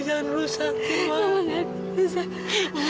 cari lagi ya bailey